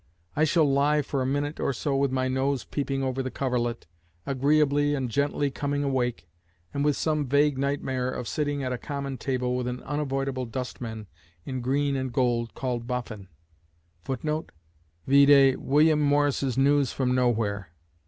I shall lie for a minute or so with my nose peeping over the coverlet, agreeably and gently coming awake, and with some vague nightmare of sitting at a common table with an unavoidable dustman in green and gold called Boffin, [Footnote: Vide William Morris's News from Nowhere.